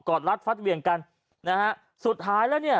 รัดฟัดเหวี่ยงกันนะฮะสุดท้ายแล้วเนี่ย